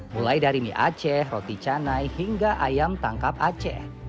mulai dari mie aceh roti canai hingga ayam tangkap aceh